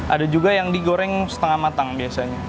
ada juga yang digoreng setengah matang biasanya